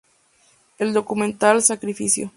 El documental "Sacrificio.